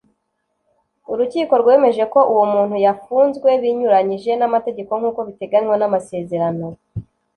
urukiko rwemeje ko uwo muntu yafuzwe binyuranyije n amategeko nk uko biteganywa n amasezerano